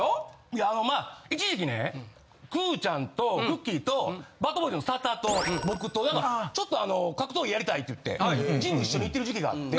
いやあのまあ一時期ねくーちゃんとくっきーとバッドボーイズの佐田と僕とちょっと格闘技やりたいって言ってジム一緒に行ってる時期があって。